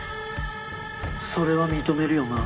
それは認めるよな？